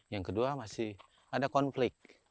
yang kedua masih ada konflik